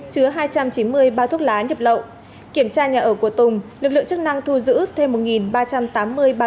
chứa hai trăm chín mươi bao thuốc lá nhập lậu kiểm tra nhà ở của tùng lực lượng chức năng thu giữ thêm một ba trăm tám mươi bao thuốc